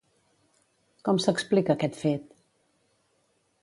Com s'explica aquest fet?